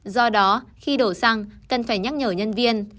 do đó khi đổ xăng cần phải nhắc nhở nhân viên